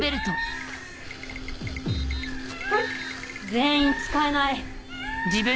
全員使えない。